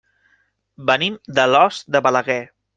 Venim d'Alòs de Balaguer.